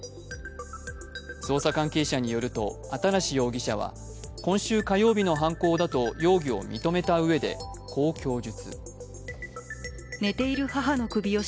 捜査関係者によると、新容疑者は今週火曜日の犯行だと容疑を認めたうえでこう供述。